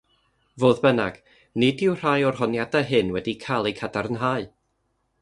Fodd bynnag, nid yw rhai o'r honiadau hyn wedi cael eu cadarnhau.